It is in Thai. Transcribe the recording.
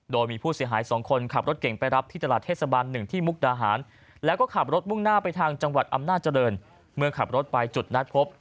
โดยมีผู้เสียหาย๒คนขับรถเก่งไปรับที่ตลาดเทศบาล๑ที่มุกดาหารแล้วก็ขับรถมุ่งหน้าไปทางจังหวัดอำนาจเจริญเมื่อขับรถไปจุดนัดพบ